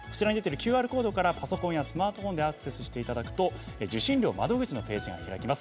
ＱＲコードからパソコンやスマートフォンでアクセスしていただくと受信料の窓口のページが開きます。